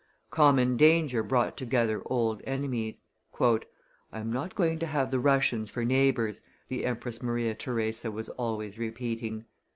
Common danger brought together old enemies. "I am not going to have the Russians for neighbors," the Empress Maria Theresa was always repeating.